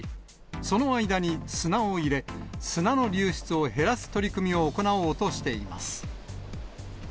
その間に砂を入れ、砂の流出を減らす取り組みを行おうとしています。